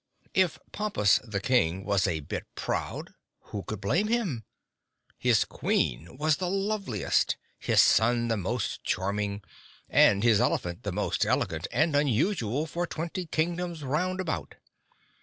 If Pompus, the King, was a bit proud who could blame him? His Queen was the loveliest, his son the most charming and his elephant the most elegant and unusual for twenty Kingdoms round about.